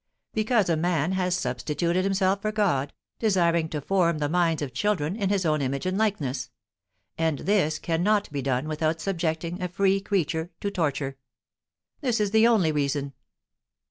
Because a man has substituted himself for God, desiring to form the minds of children in his own image and likeness; and this cannot be done without subjecting a free creature to torture. This is the only reason.